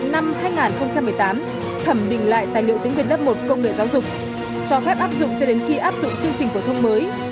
năm hai nghìn một mươi tám thẩm định lại tài liệu tiếng việt lớp một công nghệ giáo dục cho phép áp dụng cho đến khi áp dụng chương trình phổ thông mới